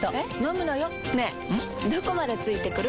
どこまで付いてくる？